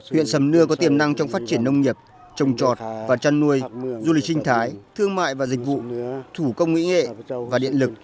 huyện sầm nưa có tiềm năng trong phát triển nông nghiệp trồng trọt và chăn nuôi du lịch sinh thái thương mại và dịch vụ thủ công mỹ nghệ và điện lực